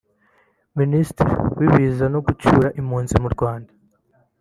Minisitiri w’ibiza no gucyura impunzi mu Rwanda